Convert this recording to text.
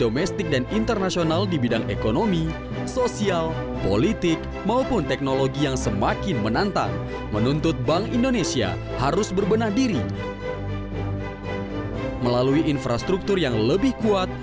melalui infrastruktur yang lebih kuat